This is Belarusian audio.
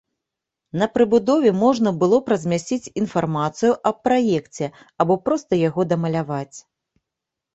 На прыбудове можна было б размясціць інфармацыю аб праекце або проста яго дамаляваць.